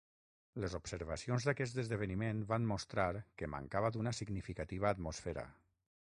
Les observacions d'aquest esdeveniment van mostrar que mancava d'una significativa atmosfera.